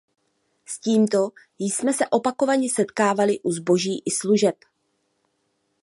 S tímto jsme se opakovaně setkávali u zboží i služeb.